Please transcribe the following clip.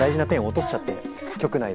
大事なペンを局内で落としちゃって。